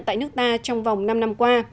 tại nước ta trong vòng năm năm qua